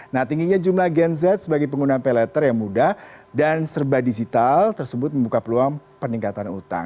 nah tingginya jumlah gen z sebagai pengguna pay letter yang mudah dan serba digital tersebut membuka peluang peningkatan utang